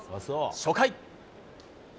初回。